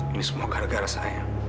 ini semua gara gara saya